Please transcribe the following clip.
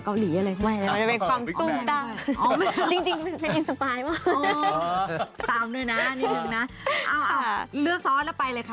เอาเลือกซอสแล้วไปเลยค่ะ